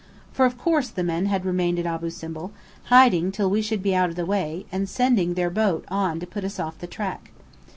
For of course the men had remained at Abu Simbel, hiding till we should be out of the way, and sending their boat on to put us off the track.